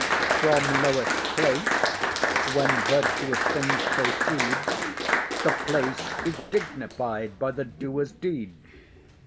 From lowest place when virtuous things proceed, The place is dignified by the doer's deed.